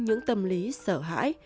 những tâm lý sợ hãi